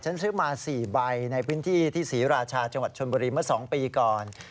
ซื้อมา๔ใบในพื้นที่ที่ศรีราชาจังหวัดชนบุรีเมื่อ๒ปีก่อน